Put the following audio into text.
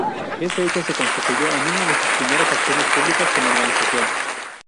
Ese hecho se constituyó en una de sus primeras acciones públicas como organización.